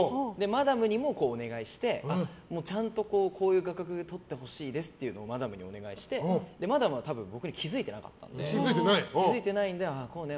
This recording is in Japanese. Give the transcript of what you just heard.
マダムにもお願いしてちゃんとこういう画角で撮ってほしいですというのをマダムにお願いしてマダムは僕に気づいてなくて気づいてないのでああ、こうね。